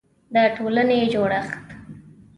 د ټولنې جوړښت